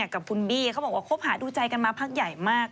กับคุณบี้เขาบอกว่าคบหาดูใจกันมาพักใหญ่มาก